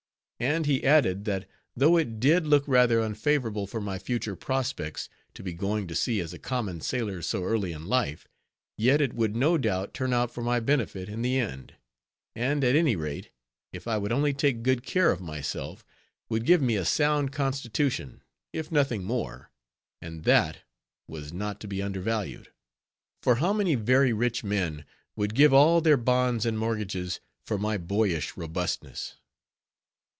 And he added, that though it did look rather unfavorable for my future prospects, to be going to sea as a common sailor so early in life; yet, it would no doubt turn out for my benefit in the end; and, at any rate, if I would only take good care of myself, would give me a sound constitution, if nothing more; and that was not to be undervalued, for how many very rich men would give all their bonds and mortgages for my boyish robustness.